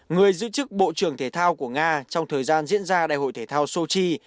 người giữ chức bộ trưởng thể thao của nga trong thời gian diễn ra đại hội thể thao sochi